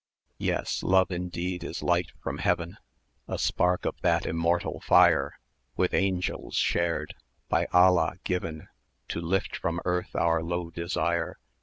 1130 "Yes, Love indeed is light from heaven;[eh] A spark of that immortal fire With angels shared, by Alia given, To lift from earth our low desire.